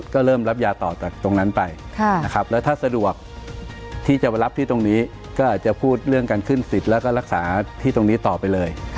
ก็เริ่มรับยาต่อจากตรงนั้นไปนะครับแล้วถ้าสะดวกที่จะมารับที่ตรงนี้ก็อาจจะพูดเรื่องการขึ้นสิทธิ์แล้วก็รักษาที่ตรงนี้ต่อไปเลย